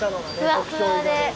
ふわふわで。